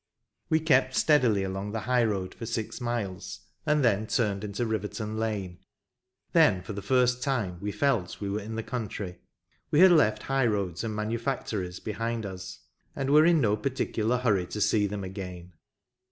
We kept steadily along the high road for six miles, and then turned into Riverton Lane. Then for the first time we felt we were in the country ; we had left high roads and manufactories behind us, and were in no particular hurry to see them again.